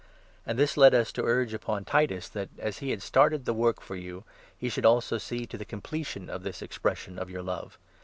And this led us to urge upon Titus that, as he had started the work for you, he should also see to the completion of this expression of^your love.